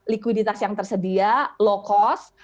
likuiditas yang tersedia low cost